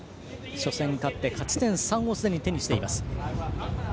初戦、勝って、勝ち点３をすでに手にしています。